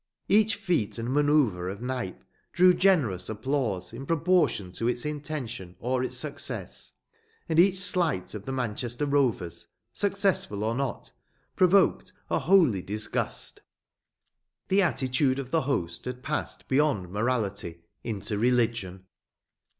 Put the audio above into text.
Each feat and manoeuvre of Knype drew generous applause in proportion to its intention or its success, and each sleight of the Manchester Rovers, successful or not, provoked a holy disgust. The attitude of the host had passed beyond morality into religion.